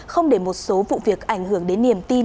không để một số vụ việc ảnh hưởng đến niềm tin